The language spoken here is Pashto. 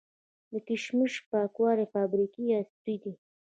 د کشمش پاکولو فابریکې عصري دي؟